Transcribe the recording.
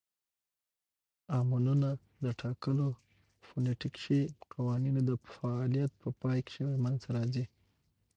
امونونه د ټاکلو فونیټیکښي قوانینو د فعالیت په پای کښي منځ ته راځي.